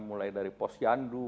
mulai dari pos yandu